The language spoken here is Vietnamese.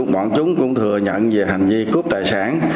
bọn chúng cũng thừa nhận về hành vi cướp tài sản